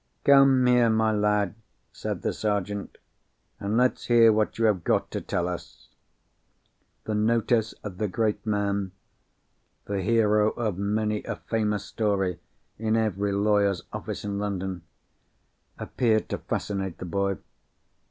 "Come here, my lad," said the Sergeant, "and let's hear what you have got to tell us." The notice of the great man—the hero of many a famous story in every lawyer's office in London—appeared to fascinate the boy.